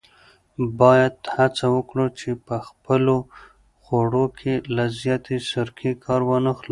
باید هڅه وکړو چې په خپلو خوړو کې له زیاتې سرکې کار وانخلو.